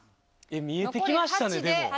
見えてきましたねでも。